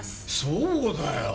そうだよ！